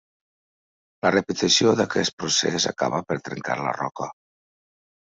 La repetició d'aquest procés acaba per trencar la roca.